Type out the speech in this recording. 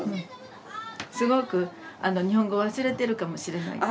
すごく日本語忘れてるかもしれないからね。